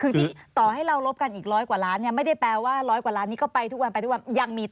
คือต่อให้เราลบกันอีก๑๐๐กว่าล้านไม่ได้แปลว่า๑๐๐กว่าล้านนี้ก็ไปทุกวัน